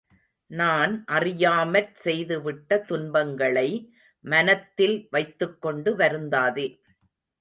நான் அறியாமற் செய்துவிட்ட துன்பங்களை மனத்தில் வைத்துக்கொண்டு வருந்தாதே.